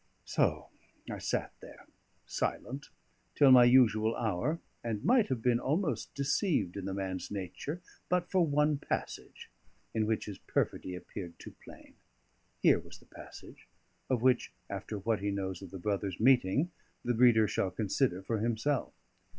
So I sat there, silent, till my usual hour; and might have been almost deceived in the man's nature but for one passage, in which his perfidy appeared too plain. Here was the passage; of which, after what he knows of the brothers' meeting, the reader shall consider for himself.